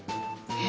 え？